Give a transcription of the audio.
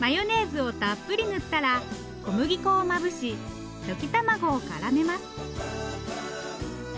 マヨネーズをたっぷり塗ったら小麦粉をまぶし溶き卵をからめます。